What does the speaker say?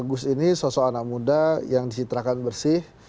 agus ini sosok anak muda yang disitrakan bersih